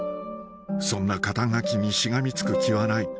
そんな肩書にしがみつく気はない